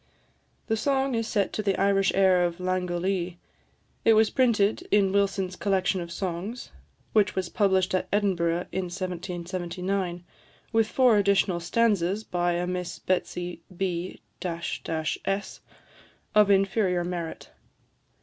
The song is set to the Irish air of "Langolee." It was printed in Wilson's Collection of Songs, which was published at Edinburgh in 1779, with four additional stanzas by a Miss Betsy B s, of inferior merit.